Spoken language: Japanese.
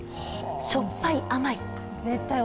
しょっぱい、甘い。